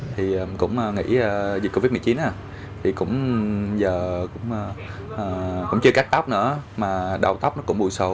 thì cũng nghỉ dịch covid một mươi chín thì cũng giờ cũng chưa cắt tóc nữa mà đầu tóc nó cũng bùi sâu